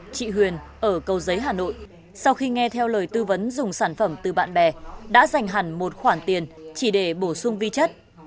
chị huyền ở cầu giấy hà nội sau khi nghe theo lời tư vấn dùng sản phẩm từ bạn bè đã dành hẳn một khoản tiền chỉ để bổ sung vi chất